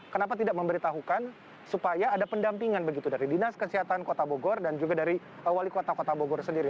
kenapa tidak memberitahukan supaya ada pendampingan begitu dari dinas kesehatan kota bogor dan juga dari wali kota kota bogor sendiri